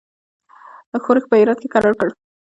ښورښ په هرات کې کرار کړ.